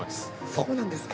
そうなんですか。